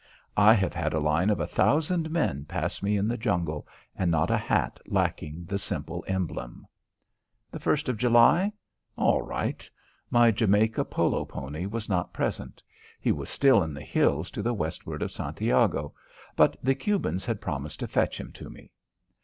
I have had a line of a thousand men pass me in the jungle and not a hat lacking the simple emblem. The first of July? All right. My Jamaica polo pony was not present. He was still in the hills to the westward of Santiago, but the Cubans had promised to fetch him to me.